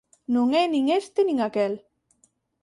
Non é nin este nin aquel.